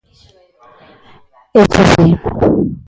Éche así.